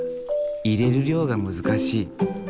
入れる量が難しい。